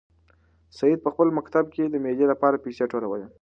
سعید په خپل مکتب کې د مېلې لپاره پیسې ټولولې.